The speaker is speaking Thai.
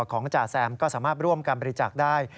จ่าแซมก็สามารถร่วมการบริจาคได้